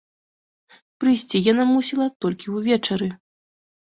Прыйсці яна мусіла толькі ўвечары.